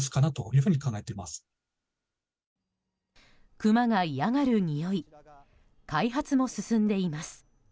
クマが嫌がるにおい開発も進んでいます。